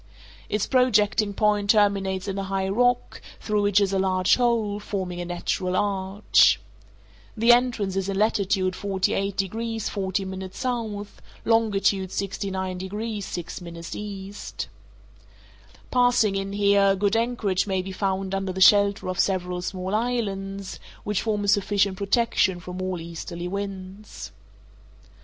Its projecting point terminates in a high rock, through which is a large hole, forming a natural arch. The entrance is in latitude 48 degrees 40' S., longitude 69 degrees 6' E. Passing in here, good anchorage may be found under the shelter of several small islands, which form a sufficient protection from all easterly winds.